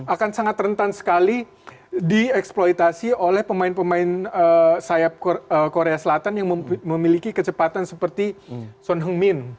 akan sangat rentan sekali dieksploitasi oleh pemain pemain sayap korea selatan yang memiliki kecepatan seperti son heng min